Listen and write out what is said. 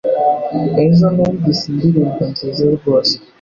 Ejo numvise indirimbo nziza rwose